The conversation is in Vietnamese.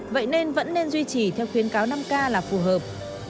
vậy nên vẫn nên duy trì theo khuyến cáo năm k là phù hợp